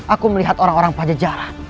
aku melihat orang orang pajajaran